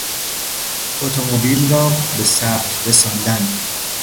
اتومبیل را به ثبت رساندن